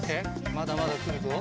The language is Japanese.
まだまだくるぞ。